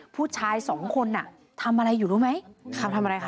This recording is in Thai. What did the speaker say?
ผู้ชายสองคนน่ะทำอะไรอยู่รู้ไหม